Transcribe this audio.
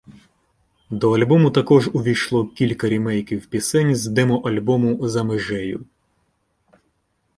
До альбому також увійшло кілька рімейків пісень з демо-альбому «За межею».